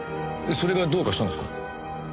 それがどうかしたんですか？